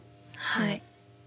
はい。